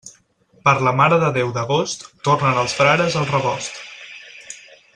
Per la Mare de Déu d'agost, tornen els frares al rebost.